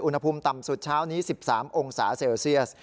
อุณหภูมิต่ำสุดเช้านี้๑๓องศาเซลเซียส